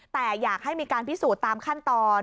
แต่อยากให้มีการพิสูจน์ตามขั้นตอน